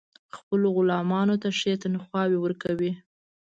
خپلو غلامانو ته ښې تنخواوې ورکړي.